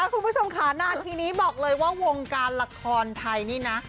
คุณผู้ชมค่ะนาทีนี้บอกเลยว่าวงการละครไทยนี่นะ